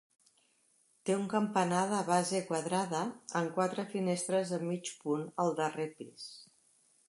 Té un campanar de base quadrada amb quatre finestres de mig punt al darrer pis.